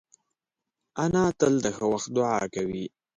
انا تل د ښه وخت دعا کوي